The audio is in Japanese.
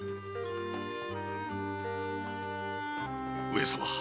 上様。